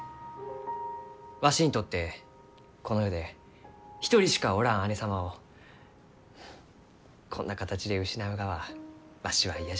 わしにとってこの世で一人しかおらん姉様をこんな形で失うがはわしは嫌じゃ。